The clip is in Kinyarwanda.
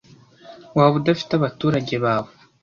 waba udafite abaturage bawe